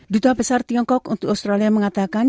duta besar tiongkok untuk australia mengatakan